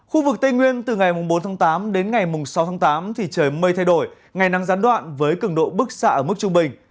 khu vực tây nguyên từ ngày bốn tám đến ngày sáu tám trời mây thay đổi ngày nắng rắn đoạn với cường độ bức xạ ở mức trung bình